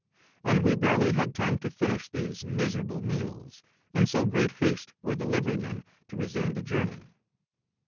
And we barely had time to finish these miserable meals, in so great haste were the liverymen to resume the journey.